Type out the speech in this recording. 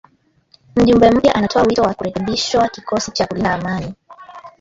Mjumbe mpya anatoa wito wa kurekebishwa kikosi cha kulinda amani